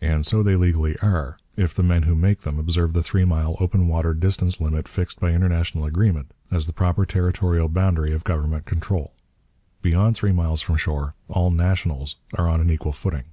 And so they legally are, if the men who make them observe the three mile open water distance limit fixed by international agreement as the proper territorial boundary of government control. Beyond three miles from shore all 'nationals' are on an equal footing.